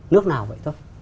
nước nào vậy thôi